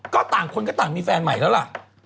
ก็ต่างคนก็ต่างมีแฟนใหม่แล้วล่ะ